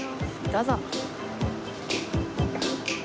どうぞ。